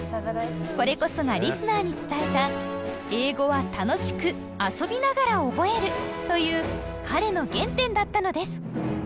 これこそがリスナーに伝えた「英語は楽しく遊びながら覚える」という彼の原点だったのです。